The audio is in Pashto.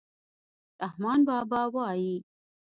رحمان بابا وايي.